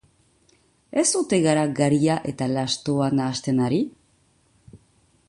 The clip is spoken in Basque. Ez ote gara garia eta lastoa nahasten ari?